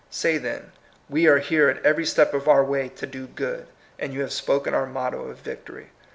Say, then. We are here at every step of our way to do good, and you have spoken our motto of victory.